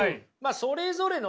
それぞれのね